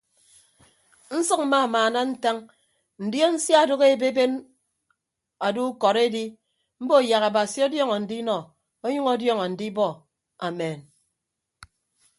Nsʌk mmamaana ntañ ndion sia adoho ebeeben ado ukọd edi mbo yak abasi ọdiọn andinọ ọnyʌñ ọdiọñ andibọ amen.